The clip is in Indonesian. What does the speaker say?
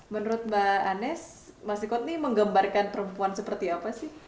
menurut mbak anes mas ikot ini menggambarkan perempuan seperti apa sih